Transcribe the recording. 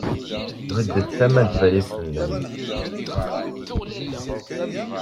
Bded tama n tbalizt-nnem.